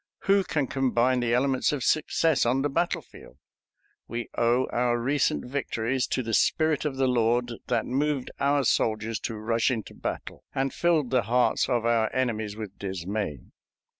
Who can combine the elements of success on the battlefield? We owe our recent victories to the Spirit of the Lord, that moved our soldiers to rush into battle, and filled the hearts of our enemies with dismay.